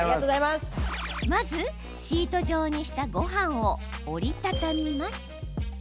まず、シート状にしたごはんを折り畳みます。